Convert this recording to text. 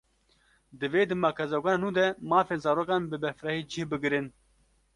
Divê di makezagona nû de mafên zarokan, bi berfirehî cih bigirin